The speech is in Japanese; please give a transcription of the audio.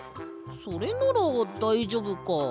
それならだいじょうぶか。